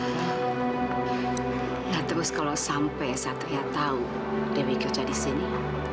nah terus kalau sampai satria tau dewi kerja disini